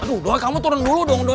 aduh kamu turun dulu dong